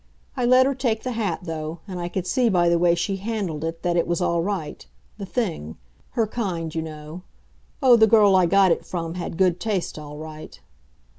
I let her take the hat, though, and I could see by the way she handled it that it was all right the thing; her kind, you know. Oh, the girl I got it from had good taste, all right.